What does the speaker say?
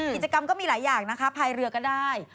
กิจกรรมก็มีหลายอย่างนะคะภายเรือก็ได้